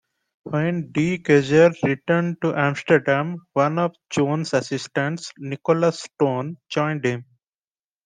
When De Keyser returned to Amsterdam one of Jones' assistants, Nicholas Stone, joined him.